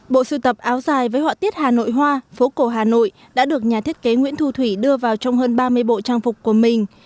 bộ sưu tập áo dài với họa tiết hà nội hoa phố cổ hà nội đã được nhà thiết kế nguyễn thu thủy đưa vào trong hơn ba mươi bộ trang phục của mình